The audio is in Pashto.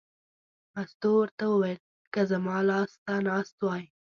مستو ورته وویل: که زما لاس ته ناست وای.